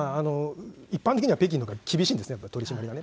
一般的には北京のほうが厳しいんですね、取締りがね。